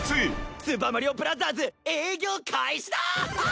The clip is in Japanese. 「スーパマリオブラザーズ営業開始だ！」